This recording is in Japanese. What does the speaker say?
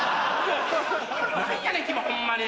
何やねん君ホンマに。